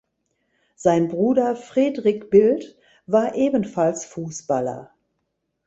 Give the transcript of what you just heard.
Sein Bruder Fredrik Bild war ebenfalls Fußballer.